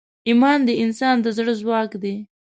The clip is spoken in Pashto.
ایمان د انسان د زړه ځواک دی.